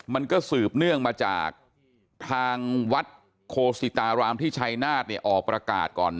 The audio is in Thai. มันก็สืบเนื่องมาจากทางวัดโคสิตารามที่ชัยนาธเนี่ยออกประกาศก่อน